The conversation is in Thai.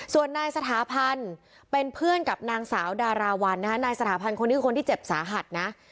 ส่วนนายสถาพันธ์เป็นเพื่อนกับนางสาวดาราวันนะคะนายสถาพันธ์คนนี้คือคนที่เจ็บสาหัสนะ